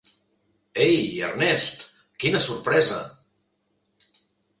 Ei, Ernest! Quina sorpresa!